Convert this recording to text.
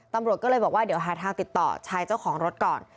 ตำรวจก็เลยบอกว่าเดี๋ยวหาทางติดต่อชายเจ้าของรถก่อน